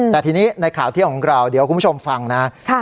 แต่ทีนี้ในข่าวเที่ยงของเราเดี๋ยวคุณผู้ชมฟังนะ